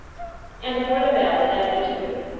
"And of what avail will that be to you?